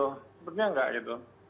sepertinya tidak gitu